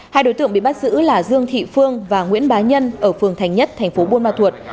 hai đối tượng bị bắt giữ là dương thị phương và nguyễn bá nhân ở phường thành nhất thành phố buôn ma thuột